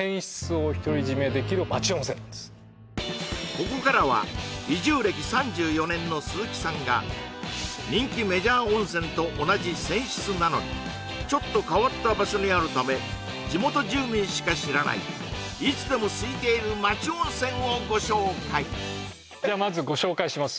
ここからは移住歴３４年の鈴木さんが人気メジャー温泉と同じ泉質なのにちょっと変わった場所にあるため地元住民しか知らないいつでもすいている町温泉をご紹介じゃあまずご紹介します